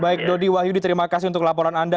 baik dodi wahyudi terima kasih untuk laporan anda